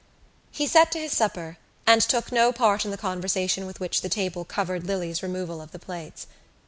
He set to his supper and took no part in the conversation with which the table covered Lily's removal of the plates.